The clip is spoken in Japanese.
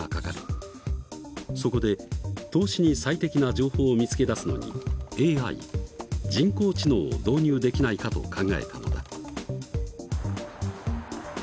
そこで投資に最適な情報を見つけ出すのにＡＩ人工知能を導入できないかと考えたのだ。